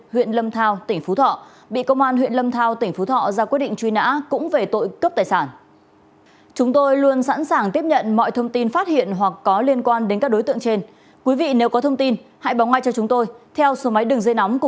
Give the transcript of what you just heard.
huyện lâm thao tỉnh phú thọ bị công an huyện lâm thao tỉnh phú thọ ra quyết định truy nã cũng về tội cướp tài sản